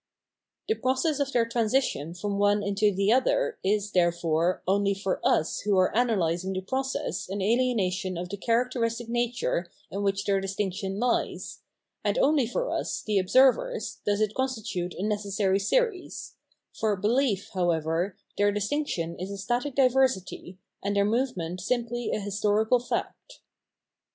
The process of their transition from one into the other is, therefore, only for us [who are analysing the process] an ahenation of the characteristic nature in which their distinction hes, and only for us, the observers, does it constitute a necessary series ; for belief, however, their distinction is a static diversity, and their movement simply a historical fact.